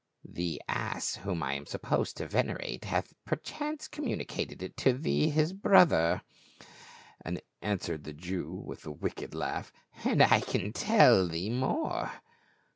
" The ass whom I am supposed to venerate hath perchance communicated it to thee his brother," an swered the Jew with a wicked laugh, " and I can tell thee more."